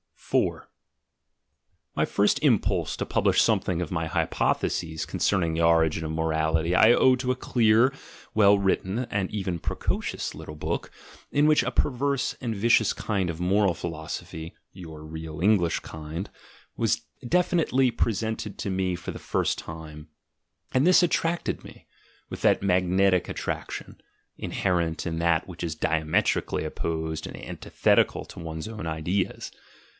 My first impulse to publish some of my hypotheses con cerning the origin of morality I owe to a clear, well writ ten, and even precocious little book, in which a perverse and vicious kind of moral philosophy (your real English kind) was definitely presented to me for the first time; and this attracted me— with that magnetic attraction, inherent in that which is diametrically opposed and antithetical to one's own ideas.